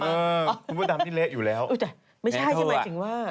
เออคุณพระดำนี่เละอยู่แล้วไม่ใช่ที่หมายถึงว่า